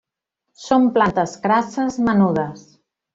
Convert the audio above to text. Són plantes crasses menudes.